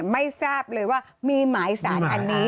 ไม่ทราบเลยว่ามีหมายสารอันนี้